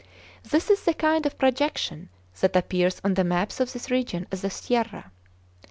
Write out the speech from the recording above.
This is the kind of projection that appears on the maps of this region as a sierra.